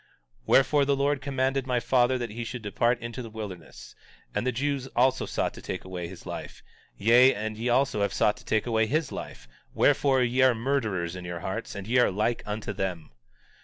17:44 Wherefore, the Lord commanded my father that he should depart into the wilderness; and the Jews also sought to take away his life; yea, and ye also have sought to take away his life; wherefore, ye are murderers in your hearts and ye are like unto them.